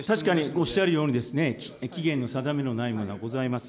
おっしゃるように期限の定めのないものはございます。